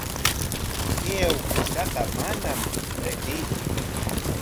Chay awkishtaqa manam riqsiitsu.